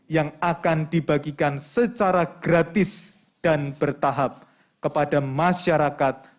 yang akan dibagikan secara gratis dan bertahap kepada masyarakat penerita covid sembilan belas